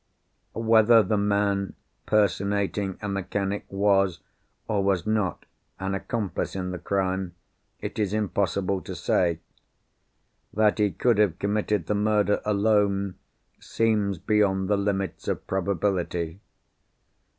Whether the man personating a mechanic was, or was not, an accomplice in the crime, it is impossible to say. That he could have committed the murder alone, seems beyond the limits of probability.